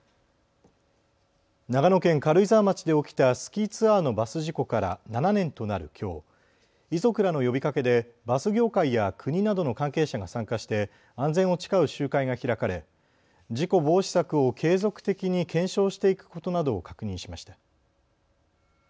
長野県軽井沢町で起きたスキーツアーのバス事故から７年となるきょう、遺族らの呼びかけでバス業界や国などの関係者が参加して安全を誓う集会が開かれ事故防止策を継続的に検証していくことなどを確認しました。